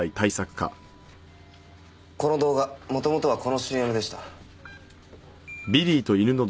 この動画もともとはこのＣＭでした。